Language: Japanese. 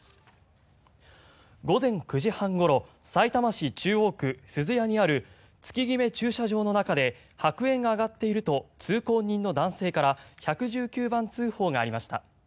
午前９時半ごろさいたま市中央区鈴谷にある月決め駐車場の中で白煙が上がっていると通行人の男性から１１９番通報がありました。